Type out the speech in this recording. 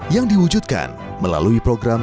yang diwujudkan melalui program